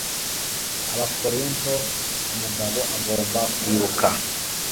abakorinto umugabo agomba kwibuka